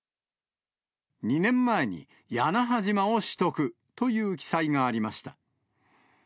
２年前に、屋那覇島を取得という記載がありました。